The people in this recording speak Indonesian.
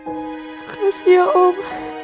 makasih ya om